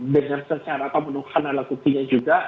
dengan secara pembunuhan alat buktinya juga